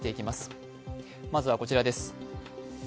まずはこちらです。